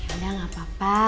yaudah enggak apa apa